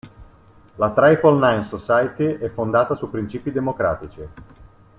La Triple Nine Society è fondata su principi democratici.